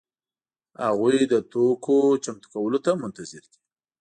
هغوی د توکو چمتو کولو ته منتظر دي.